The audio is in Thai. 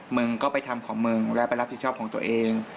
มึงก็ไปทำของมึงและไปรับผิดชอบของตัวเอง